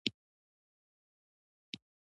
ژبې د افغانستان د چاپیریال ساتنې لپاره مهم دي.